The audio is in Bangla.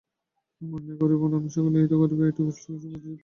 আমি অন্যায় করিব না, আমি সকলের হিত করিব, এইটুকু স্পষ্ট বুঝিলেই হইল।